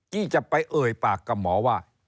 ที่จะไปเอ่ยปากกับหมอว่า